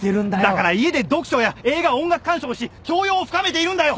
だから家で読書や映画音楽鑑賞をし教養を深めているんだよ！